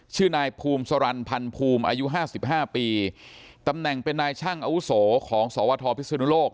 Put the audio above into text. ชื่อนายภูมิสรรพันธ์ภูมิอายุห้าสิบห้าปีตำแหน่งเป็นนายช่างอาวุโสของสวทพิศนุโลก